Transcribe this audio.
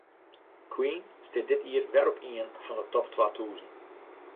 Queen stiet dit jier wer op ien fan de top twa tûzen.